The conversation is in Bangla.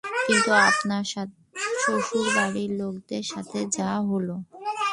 কিন্তু আপনার শ্বশুর বাড়ির লোকদের সাথে যা হলো?